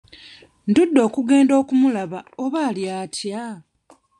Ndudde okugenda okumulaba oba ali atya?